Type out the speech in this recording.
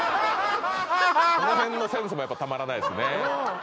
その辺のセンスもたまらないですね